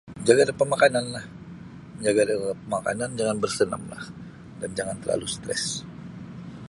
Menjaga da pemakananlah menjaga da makanan jangan bersenamlah jangan terlalu stres.